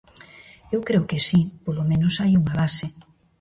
Eu creo que si, polo menos hai unha base.